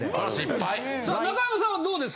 さあ中山さんはどうですか？